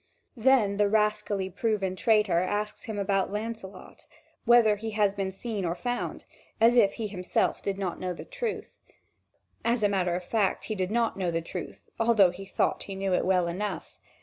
Then the rascally proven traitor asks him about Lancelot, whether he had been seen or found, as if he himself did not know the truth. As a matter of fact, he did not know the truth, although he thought he knew it well enough.